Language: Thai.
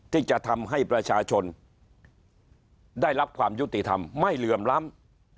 ที่จะทำให้ประชาชนได้รับความยุติธรรมไม่เหลื่อมล้ำ